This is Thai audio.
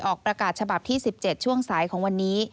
ออกประกาศฉบับที่๑๗ช่วงสายของวันนี้